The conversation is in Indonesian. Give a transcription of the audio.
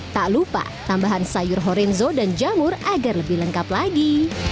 tak lupa tambahan sayur horenzo dan jamur agar lebih lengkap lagi